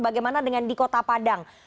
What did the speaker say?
bagaimana dengan di kota padang